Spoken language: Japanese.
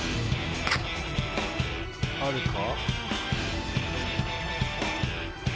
あるか？